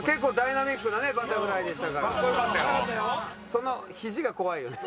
そのひじが怖いよね。